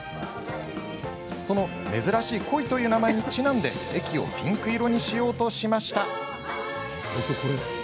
その珍しい恋という名前にちなんで駅をピンク色にしようとしました。